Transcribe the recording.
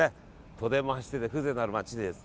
都電も走ってて風情のある街です。